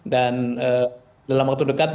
dan dalam waktu dekat